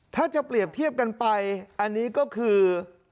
ถ้าจะเปรียบเทียบกันไปอันนี้ก็คือ